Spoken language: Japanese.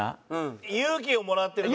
「勇気をもらってる」とか。